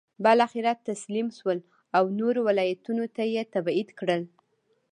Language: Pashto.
بالاخره تسلیم شول او نورو ولایتونو ته یې تبعید کړل.